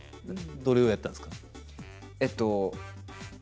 どれぐらいやったんですか？